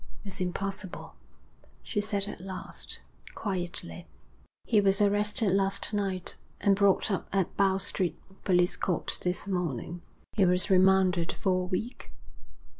'It's impossible,' she said at last, quietly. 'He was arrested last night, and brought up at Bow Street Police Court this morning. He was remanded for a week.'